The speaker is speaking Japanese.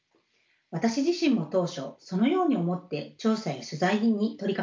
私自身も当初そのように思って調査や取材に取りかかりました。